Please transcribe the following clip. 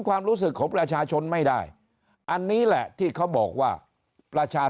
ความรู้สึกของประชาชนไม่ได้อันนี้แหละที่เขาบอกว่าประชา